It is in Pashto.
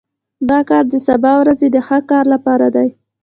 دا کار د سبا ورځې د ښه کار لپاره دی